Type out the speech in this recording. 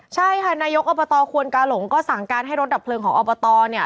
ใช่ค่ะนายกอบตควนกาหลงก็สั่งการให้รถดับเพลิงของอบตเนี่ย